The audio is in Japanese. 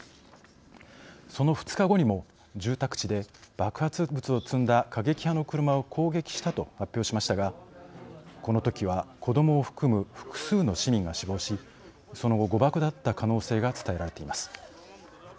その２日後にも住宅地で爆発物を積んだ過激派の車を攻撃したと発表しましたがこのときは子どもを含む複数の市民が死亡しその後誤爆だった可能性が伝えられています。